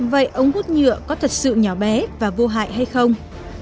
vậy ống hút nhựa có thật sự nhỏ bé và vô hại hay không